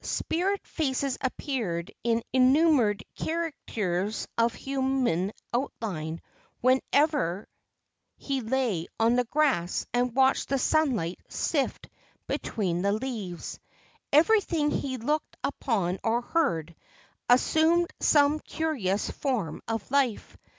Spirit faces appeared in unnum 76 LEGENDS OF GHOSTS bered caricatures of human outline whenever he lay on the grass and watched the sunlight sift between the leaves. Everything he looked upon or heard assumed some curious form of life.